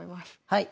はい。